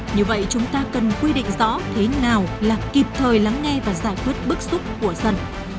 như vậy chúng ta cần quy định rõ thế nào là kịp thời lắng nghe và giải quyết bức xúc của dân